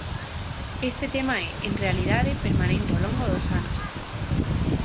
Este tema é, en realidade, permanente ao longo dos anos.